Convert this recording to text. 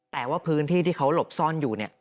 แต่ว่าพื้นที่ที่เขาหลบซ่อนอยู่เนี่ย